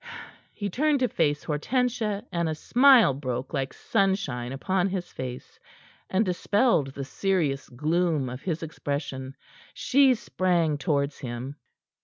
He turned to face Hortensia, and a smile broke like sunshine upon his face, and dispelled the serious gloom of his expression. She sprang towards him.